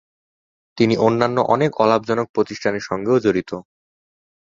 তিনি অন্যান্য অনেক অলাভজনক প্রতিষ্ঠানের সঙ্গেও জড়িত।